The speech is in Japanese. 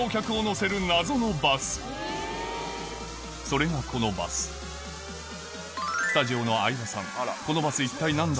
それがこのバススタジオの相葉さん